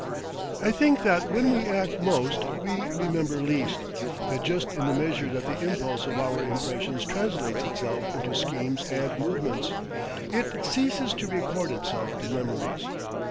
I think that when we act most we remember least, that just in the measure that the impulse of our impressions translates itself into schemes and movements, it ceases to record itself in memories.